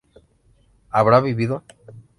¿habrá vivido?